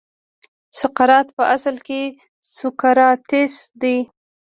سقراط په اصل کې سوکراتیس دی.